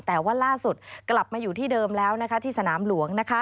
แต่ว่าล่าสุดกลับมาอยู่ที่เดิมแล้วที่สนามหลวง